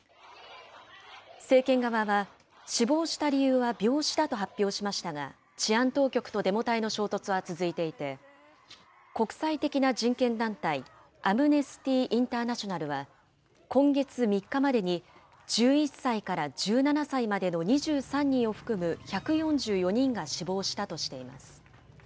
政権側は、死亡した理由は病死だと発表しましたが、治安当局とデモ隊の衝突は続いていて、国際的な人権団体、アムネスティ・インターナショナルは、今月３日までに１１歳から１７歳までの２３人を含む１４４人が死亡したとしています。